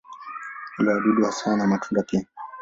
Hula wadudu hasa na matunda pia.